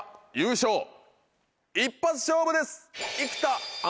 一発勝負です。